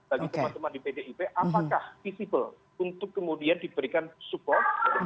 bagi teman teman di pdip apakah visible untuk kemudian diberikan support